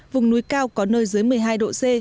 vùng núi cao có nơi dưới một mươi hai độ c